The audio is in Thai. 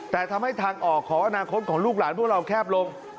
แต่ทำให้ทางออกของอนาคตของลูกหลานพวกเราแคบลง